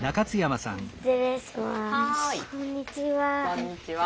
こんにちは。